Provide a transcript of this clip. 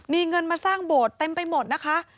มีเงินมาสร้างโบสถ์เต็มไปหมดนะคะ